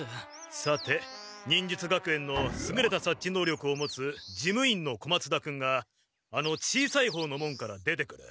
さて忍術学園のすぐれたさっちのうりょくを持つ事務員の小松田君があの小さい方の門から出てくる。